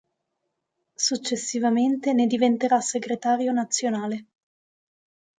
Successivamente ne diventerà segretario nazionale.